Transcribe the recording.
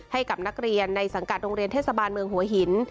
ให้กับนักเรียนในสังกัดโรงเรียนเทศบาลเมืองหัวหิน